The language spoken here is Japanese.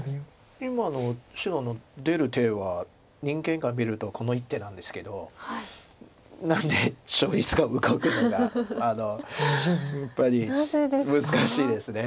今の白の出る手は人間が見るとこの一手なんですけど何で勝率が動くのかやっぱり難しいです。